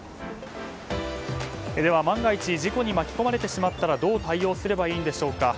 では万が一事故に巻き込まれてしまったらどう対応すればいいんでしょうか。